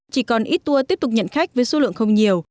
chỉ còn ít tour tiếp tục nhận khách với số lượng không nhiều